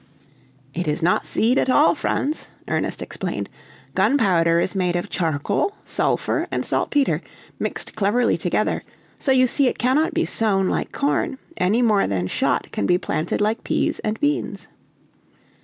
"It is not seed at all, Franz," Ernest explained. "Gunpowder is made of charcoal, sulphur, and saltpeter, mixed cleverly together; so you see it cannot be sown like corn, any more than shot can be planted like peas and beans."